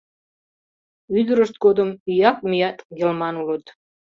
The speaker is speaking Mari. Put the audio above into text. Ӱдырышт годым ӱяк-мӱяк йылман улыт.